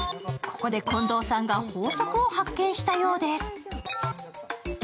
ここで近藤さんが法則を発見したようです。